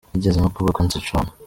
Yigeze no kuvuga ko yanse John F.